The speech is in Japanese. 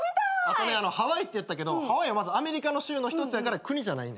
あとねハワイって言ったけどハワイはまずアメリカの州の一つやから国じゃない。